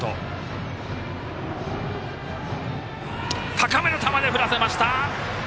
高めの球で振らせました！